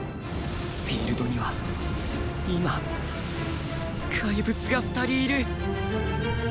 フィールドには今かいぶつが２人いる！